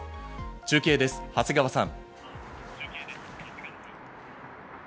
中継です、長谷川さん。